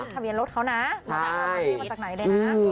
ทะเบียนรถเขานะจริงว่ามาจากไหนเลยนะ